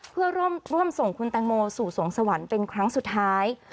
เพื่อร่วมส่งคุณแตงโมสู่สวงสวรรค์เป็นครั้งสุดท้าย